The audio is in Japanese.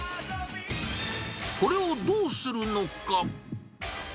これをどうするのか。